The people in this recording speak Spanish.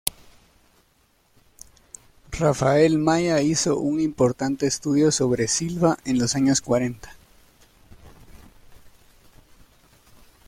Rafael Maya hizo un importante estudio sobre Silva en los años cuarenta.